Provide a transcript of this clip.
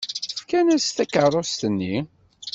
Fkan-as takeṛṛust-nni.